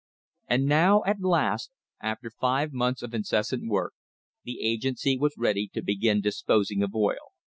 And now, at last, after five months of incessant work, the agency was ready to begin disposing of oil.